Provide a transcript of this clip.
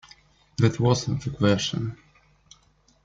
That was the question.